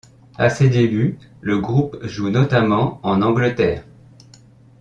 À ses débuts, le groupe joue notamment en Angleterre.